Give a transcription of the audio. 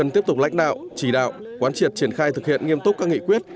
tiếp tục lãnh đạo chỉ đạo quán triệt triển khai thực hiện nghiêm túc các nghị quyết